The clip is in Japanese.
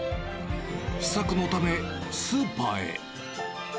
試作のため、スーパーへ。